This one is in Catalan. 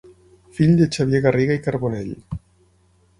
Fill de Xavier Garriga i Carbonell.